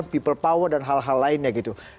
people power dan hal hal lainnya gitu